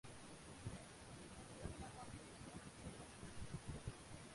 হলদিয়া বন্দর চ্যানেলটি এর বেশি গভীর।